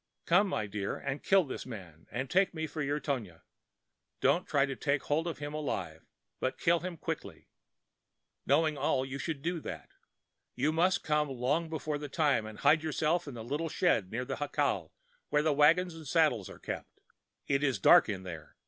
Come, my dear one, and kill this man and take me for your Tonia. Do not try to take hold of him alive, but kill him quickly. Knowing all, you should do that. You must come long before the time and hide yourself in the little shed near the jacal where the wagon and saddles are kept. It is dark in there.